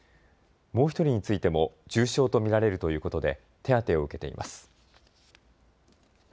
もう１人についても重傷と見られるということで手当てを受けています。